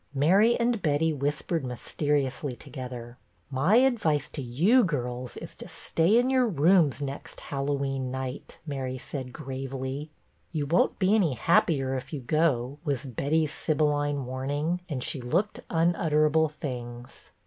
Mary and Betty whispered mysteriously together. " My advice to you girls is to stay in your rooms next Hallowe'en night," Mary said gravely. " You won't be any happier if you go," was Betty's sibylline warning, and she looked unutterable things.